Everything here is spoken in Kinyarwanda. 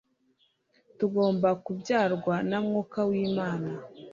tugomba kubyarwa na mwuka w'imana